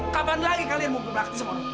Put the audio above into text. kapan lagi kalian mau berpakat sama orang tua